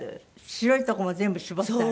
白いとこも全部絞ってある？